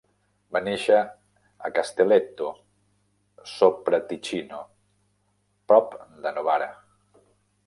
Va néixer a Castelletto sopra Ticino, prop de Novara.